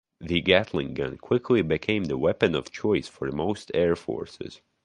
The Gatling gun quickly became the weapon of choice for most air forces.